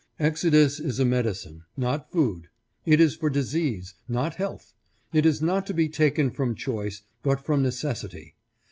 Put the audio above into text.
Exodus is a medicine, not food; it is for disease, not health; it is not to be taken from choice, but from necessity.